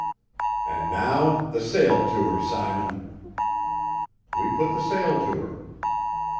"And now the sail to her, Simon." We put the sail to her.